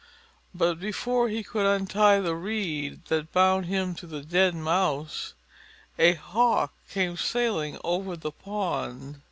But before he could untie the reed that bound him to the dead Mouse, a Hawk came sailing over the pond.